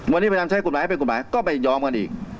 วันนี้พยายามใช้กฎหมายเป็นกฎหมายก็ไปยอมกันอีก